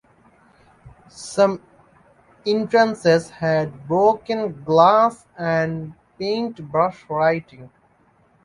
Some entrances had broken glass and paintbrush writing.